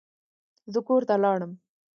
زه کور ته لاړم.